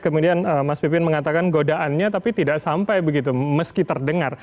kemudian mas pipin mengatakan godaannya tapi tidak sampai begitu meski terdengar